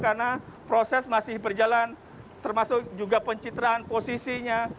karena proses masih berjalan termasuk juga pencitraan posisinya